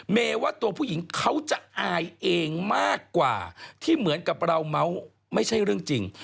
ว่าตัวผู้หญิงเขาจะอายเองมากกว่าที่เหมือนกับเราเมาส์ไม่ใช่เรื่องจริง